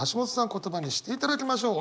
言葉にしていただきましょう。